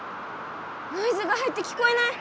ノイズが入って聞こえない！